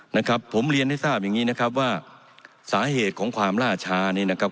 นะครับผมเรียนให้ทราบอย่างงี้นะครับว่าสาเหตุของความล่าช้านี่นะครับ